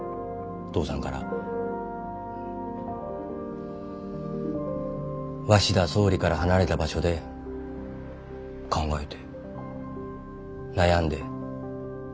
父さんから鷲田総理から離れた場所で考えて悩んで。